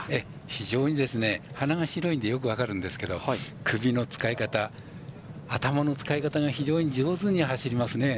非常に鼻が白いんでよく分かるんですけど首の使い方頭の使い方が上手ですね。